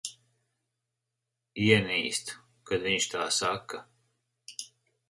Ienīstu, kad viņš tā saka.